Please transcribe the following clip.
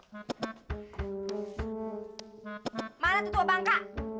mana tuh tua bangka